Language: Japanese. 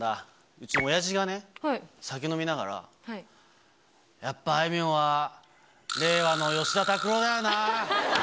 うち、おやじがね、酒飲みながら、やっぱあいみょんは令和の吉田拓郎だよなあ。